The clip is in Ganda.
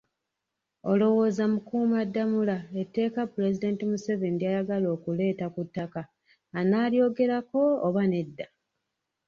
Olowooza Mukuumaddamula etteeka Pulezidenti Museveni ly'ayagala okuleeta ku ttaka anaalyogerako oba nedda?